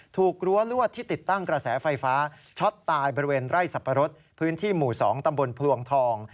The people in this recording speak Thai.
รั้วลวดที่ติดตั้งกระแสไฟฟ้าช็อตตายบริเวณไร่สับปะรดพื้นที่หมู่๒ตำบลพลวงทอง